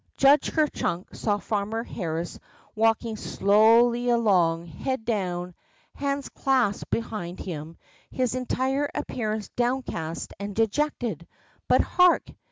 Judge Ker chunk saw Farmer Harris walking WHAT THE FROGS TAUGHT 85 slowly along, head down, hands clasped behind him, his entire appearance downcast and dejected, but hark!